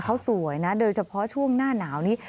เขาสวยนะโดยเฉพาะช่วงหน้าหนาวนี้